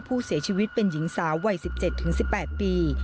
ผู้เสียชีวิตเป็นหญิงสาววัย๑๗๑๘ปี